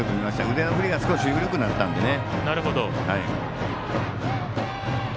腕の振りが緩くなったのでね。